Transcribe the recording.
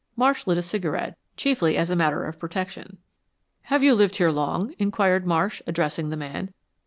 Marsh lit a cigarette, chiefly as a matter of protection. "Have you lived here long?" inquired Marsh, addressing the man.